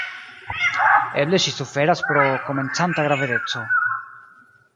Eble ŝi suferas pro komencanta gravedeco.